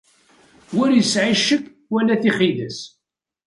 Ur yesɛi ccek wala tixidas.